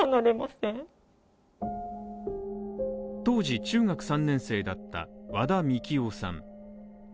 当時中学３年生だった和田樹生さん。